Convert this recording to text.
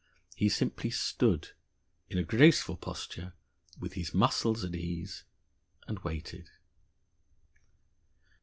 He simply stood, in a graceful posture, with his muscles at ease, and waited.